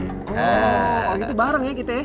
wah gitu bareng ya kita ya